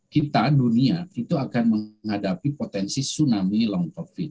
kita dunia itu akan menghadapi potensi tsunami long covid